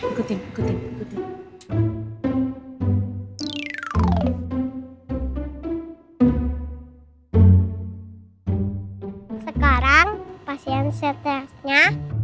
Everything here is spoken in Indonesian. sekarang pasien setelahnya